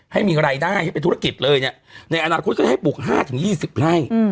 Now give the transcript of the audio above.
ให้มีรายได้ให้เป็นธุรกิจเลยเนี่ยในอนาคตก็จะให้ปลูก๕๒๐ไร่